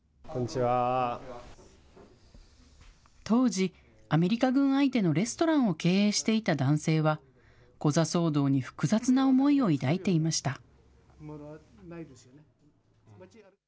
当時、アメリカ軍相手のレストランを経営していた男性は、コザ騒動に複雑な思いを抱いていました。